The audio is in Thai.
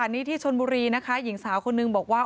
นี่ที่ชนบุรีนะคะหญิงสาวคนนึงบอกว่า